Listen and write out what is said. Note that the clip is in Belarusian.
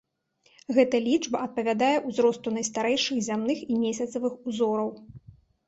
Гэта лічба адпавядае ўзросту найстарэйшых зямных і месяцавых узораў.